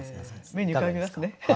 目に浮かびますね。